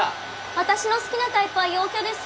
私の好きなタイプは陽キャです